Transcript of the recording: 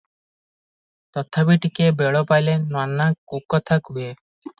ତଥାପି ଟିକିଏ ବେଳ ପାଇଲେ ନାନା କୁକଥା କହେ ।